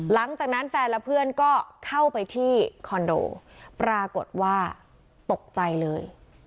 หลังจากนั้นแฟนและเพื่อนก็เข้าไปที่คอนโดปรากฏว่าตกใจเลย